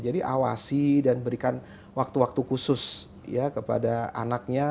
jadi awasi dan berikan waktu waktu khusus kepada anaknya